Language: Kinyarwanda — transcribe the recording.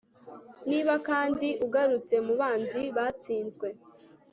Niba kandi ugarutse mubanzi batsinzwe